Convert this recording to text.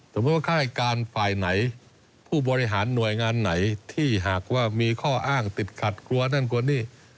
ว่าค่าราชการฝ่ายไหนผู้บริหารหน่วยงานไหนที่หากว่ามีข้ออ้างติดขัดกลัวนั่นกลัวนี่